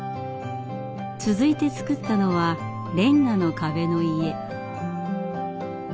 続いて造ったのはレンガの壁の家。